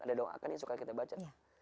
ada doakan yang suka kita baca